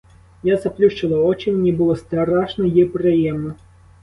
Я заплющила очі, мені було страшно й приємно.